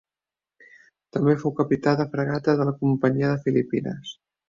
També fou capità de fragata de la Companyia de Filipines.